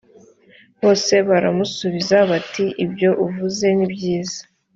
bose baramusubiza bati ibyo uvuze ni byiza